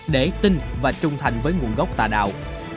để tin và trung thành với nguồn gốc tà đạo